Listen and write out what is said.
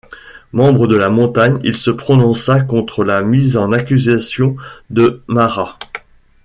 Membre de la Montagne, Il se prononça contre la mise en accusation de Marat.